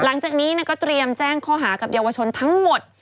หลังจากนี้ก็เตรียมแจ้งข้อหากับเยาวชนทั้งหมด